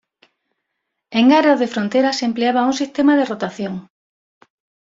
En áreas de frontera se empleaba un sistema de rotación.